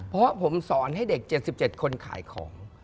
เพราะผมสอนให้เด็ก๗๗คนขายของ